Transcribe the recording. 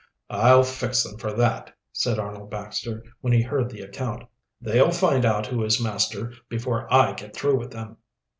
"I'll fix them for that," said Arnold Baxter, when he heard the account. "They'll find out who is master before I get through with them."